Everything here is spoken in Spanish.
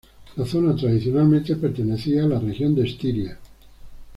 La zona tradicionalmente pertenecía a la región de Estiria.